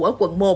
ở quận một